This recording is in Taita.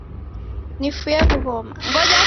Nifue w'ughoma